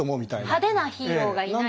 派手なヒーローがいない。